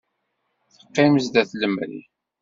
Teqqim sdat lemri.